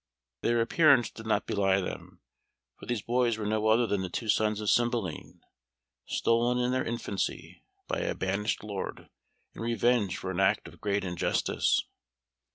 Their appearance did not belie them, for these boys were no other than the two sons of Cymbeline, stolen in their infancy by a banished lord in revenge for an act of great injustice.